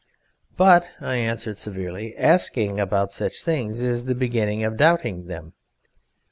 "But," I answered severely, "asking about such things is the beginning of doubting them.